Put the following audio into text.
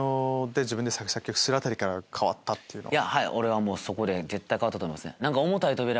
俺はもうそこで絶対変わったと思いますね。